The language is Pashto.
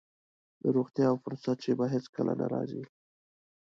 د روغتيا او فرصت شېبه هېڅ کله نه راځي.